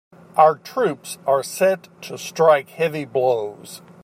Our troops are set to strike heavy blows.